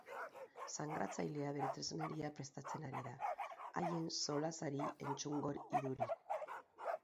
Sangratzailea bere tresneria prestatzen ari da, haien solasari entzungor iduri.